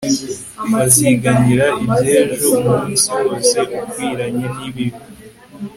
baziganyira iby ejo Umunsi wose ukwiranye n ibibi